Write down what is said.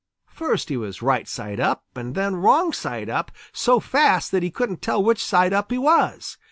First he was right side up and then wrong side up, so fast that he couldn't tell which side up he was.